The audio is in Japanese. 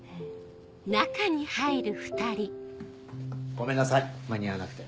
ごめんなさい間に合わなくて。